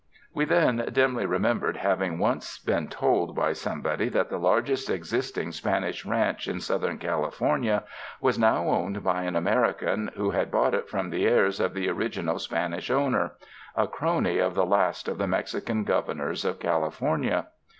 We then dimly remembered having once been told by somebody that the largest existing Spanish ranch in Southern California was now owned by an Ameri can, who had bought it from the heirs of the original Spanish owner — a crony of the last of the Mexican governors of California.